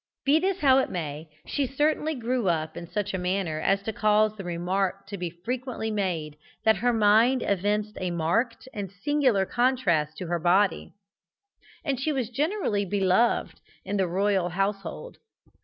Be this how it may, she certainly grew up in such a manner as to cause the remark to be frequently made that her mind evinced a marked and singular contrast to her body, and she was generally beloved in the royal household.